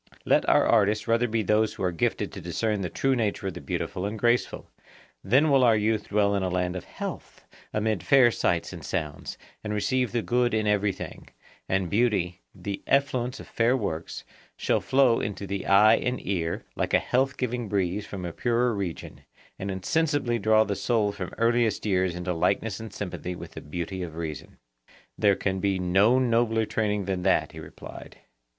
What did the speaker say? Let our artists rather be those who are gifted to discern the true nature of the beautiful and graceful; then will our youth dwell in a land of health, amid fair sights and sounds, and receive the good in everything; and beauty, the effluence of fair works, shall flow into the eye and ear, like a health giving breeze from a purer region, and insensibly draw the soul from earliest years into likeness and sympathy with the beauty of reason. There can be no nobler training than that, he replied.